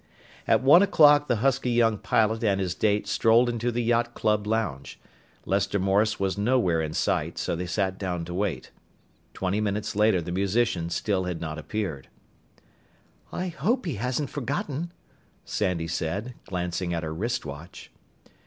At one o'clock the husky young pilot and his date strolled into the yacht club lounge. Lester Morris was nowhere in sight, so they sat down to wait. Twenty minutes later the musician still had not appeared. "I hope he hasn't forgotten," Sandy said, glancing at her wrist watch.